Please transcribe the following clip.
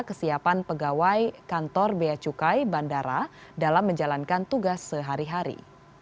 kesiapan pegawai kantor bea cukai bandara dalam menjalankan tugas sehari hari